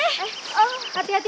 ingin parit dimoti korban